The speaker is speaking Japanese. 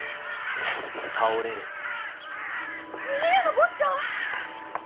峰屋の坊ちゃん！？